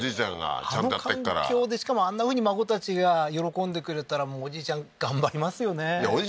あの環境で、しかも、あんなふうに孫たちが喜んでくれたら、おじいちゃん頑張りますよねえ。